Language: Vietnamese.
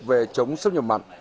về chống sông nhầm mặn